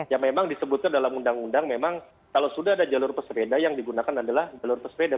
ya memang disebutnya dalam undang undang memang kalau sudah ada jalur pesepeda yang digunakan adalah jalur pesepeda